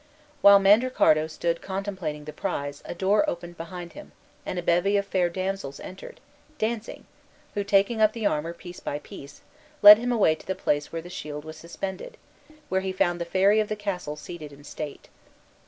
While Mandricardo stood contemplating the prize a door opened behind him, and a bevy of fair damsels entered, dancing, who, taking up the armor piece by piece, led him away to the place where the shield was suspended; where he found the fairy of the castle seated in state.